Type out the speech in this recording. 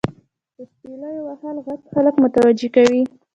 • د شپیلو وهلو ږغ خلک متوجه کوي.